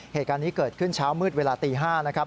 เหตุการณ์นี้เกิดขึ้นเช้ามืดเวลาตี๕นะครับ